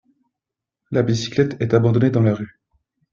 La bicyclette est abandonnée dans la rue